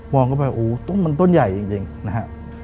องเข้าไปโอ้ต้นมันต้นใหญ่จริงนะฮะ